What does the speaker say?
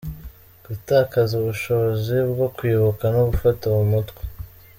Gutakaza ubushobozi bwo kwibuka no gufata mu mutwe.